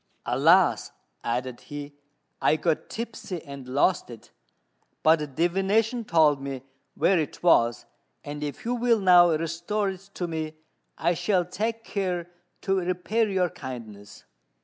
"Alas!" added he, "I got tipsy and lost it; but divination told me where it was, and if you will now restore it to me, I shall take care to repay your kindness."